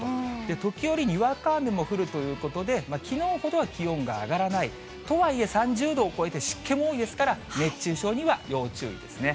時折、にわか雨も降るということで、きのうほどは気温が上がらない、とはいえ、３０度を超えて湿気も多いですから熱中症には要注意ですね。